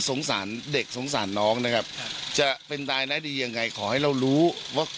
สงสารเด็กสงสารน้องนะครับจะเป็นตายร้ายดียังไงขอให้เรารู้ว่า